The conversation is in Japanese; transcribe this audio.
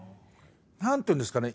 何て言うんですかね。